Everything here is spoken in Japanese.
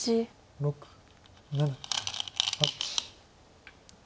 ６７８。